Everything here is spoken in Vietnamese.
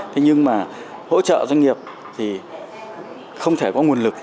thế nhưng mà hỗ trợ doanh nghiệp thì không thể có nguồn lực